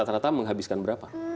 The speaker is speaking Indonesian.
rata rata menghabiskan berapa